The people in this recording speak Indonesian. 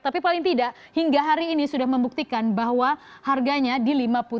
tapi paling tidak hingga hari ini sudah membuktikan bahwa harganya di lima puluh tiga lima puluh sembilan